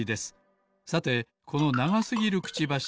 さてこのながすぎるくちばし